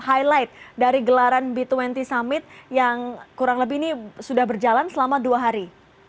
highlight dari gelaran b dua puluh summit yang kurang lebih ini sudah berjalan selama dua hari